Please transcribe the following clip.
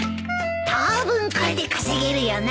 当分これで稼げるよな。